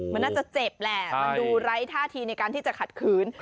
มันน่าจะเจ็บแหละมันดูไร้ท่าทีในการที่จะขัดขืน